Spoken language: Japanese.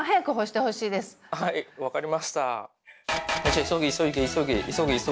はい分かりました。